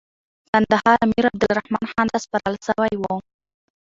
کندهار امیر عبدالرحمن خان ته سپارل سوی وو.